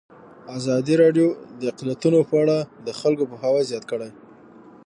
ازادي راډیو د اقلیتونه په اړه د خلکو پوهاوی زیات کړی.